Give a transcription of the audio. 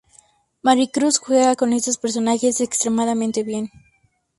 Maricruz juega con estos personajes extremadamente bien.